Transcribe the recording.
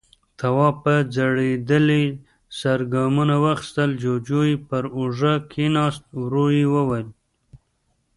تواب په ځړېدلي سر ګامونه واخيستل، جُوجُو يې پر اوږه کېناست، ورو يې وويل: